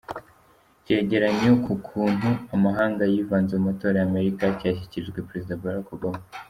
Icyegeranyo ku kuntu amahanga yivanze mu matora ya Amerika cyashyikirijwe Perezida Barack Obama.